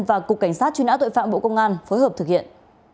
và cục cảnh sát truy nã tội phạm bộ công an phối hợp thực hiện